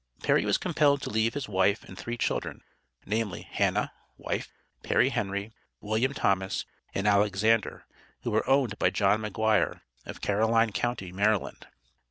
Perry was compelled to leave his wife and three children namely, Hannah (wife), Perry Henry, William Thomas and Alexander, who were owned by John McGuire, of Caroline county, Maryland.